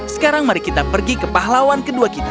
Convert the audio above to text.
sekarang mari kita pergi ke pahlawan kedua kita